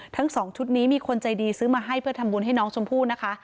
ทั้งสองชุดนี้มีคนใจดีซื้อมาให้เพื่อทำบุญให้น้องชมพู่นะคะ